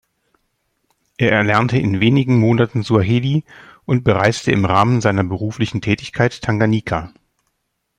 Er erlernte in wenigen Monaten Suaheli und bereiste im Rahmen seiner beruflichen Tätigkeit Tanganjika.